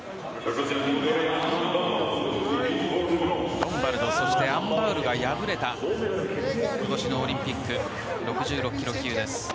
ロンバルドそしてアン・バウルが敗れた今年のオリンピック６６ｋｇ級です。